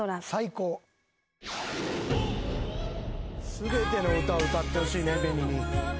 全ての歌を歌ってほしいねＢＥＮＩに。